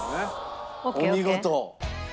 お見事！